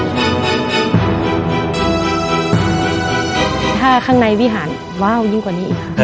ข้างในวิหารวัวยิ่งกว่านี้อีกครับค่ะณขอเข้าไปดูข้างในเลยวิหาร